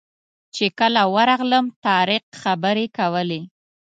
چې کله ورغلم طارق خبرې کولې.